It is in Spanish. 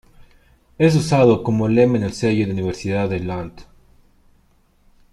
Es usado como lema en el sello de la Universidad de Lund.